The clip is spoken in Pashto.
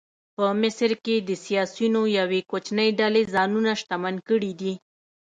په مصر کې د سیاسیونو یوې کوچنۍ ډلې ځانونه شتمن کړي دي.